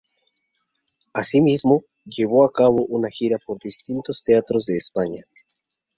Así mismo, llevó a cabo una gira por distintos teatros de España.